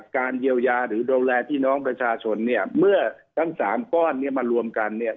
การเยียวยาหรือดูแลพี่น้องประชาชนเนี่ยเมื่อทั้งสามก้อนเนี่ยมารวมกันเนี่ย